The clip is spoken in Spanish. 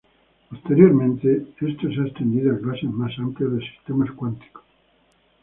Posteriormente, esto se ha extendido a clases más amplias de sistemas cuánticos.